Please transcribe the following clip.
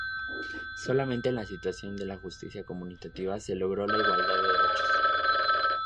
Solamente en la situación de justicia conmutativa se logra la igualdad de derechos.